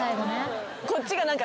こっちが何か。